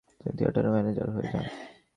তিনি ওই থিয়েটারের ম্যানেজার হয়ে যান ।